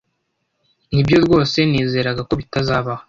Nibyo rwose nizeraga ko bitazabaho.